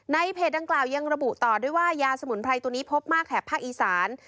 เพจดังกล่าวยังระบุต่อด้วยว่ายาสมุนไพรตัวนี้พบมากแถบภาคอีสาน